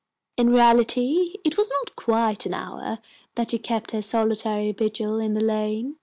In reality it was not quite an hour that she kept her solitary vigil in the lane.